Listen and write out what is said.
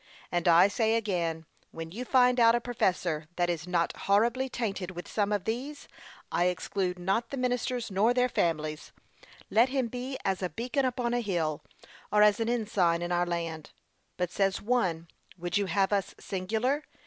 And I say again, when you find out a professor that is not horribly tainted with some of these things, I exclude not the ministers nor their families, let him be as a beacon upon a hill, or as an ensign in our land. But says one, Would you have us singular?